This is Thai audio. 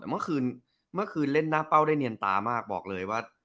แต่เมื่อคืนเล่นหน้าเป้าได้เนียนตามากบอกเลยว่า